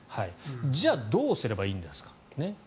じゃあどう使えばいいんですか。